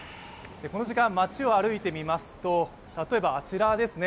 この時間街を歩いてみますと、例えばあちらですね